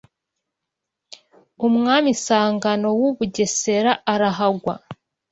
umwami Sangano w’u Bugesera arahagwa